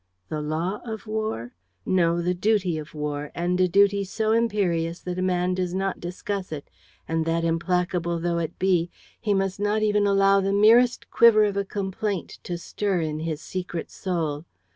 The law of war? No, the duty of war; and a duty so imperious that a man does not discuss it and that, implacable though it be, he must not even allow the merest quiver of a complaint to stir in his secret soul.